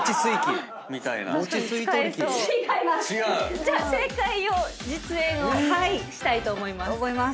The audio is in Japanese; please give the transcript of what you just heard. じゃあ正解を実演をしたいと思います。